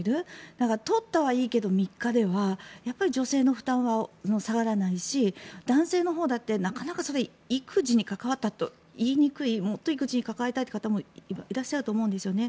だから取ったはいいけど３日ではやっぱり女性の負担は下がらないし男性のほうだってなかなかそれ育児に関わったとは言いにくい本当は育児に関わりたい方もいると思うんですよね。